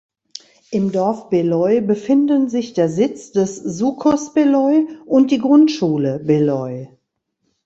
Im Dorf Beloi befinden sich der Sitz des Sucos Beloi und die Grundschule "Beloi".